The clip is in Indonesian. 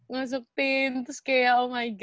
ngasuk tim terus kayak oh my god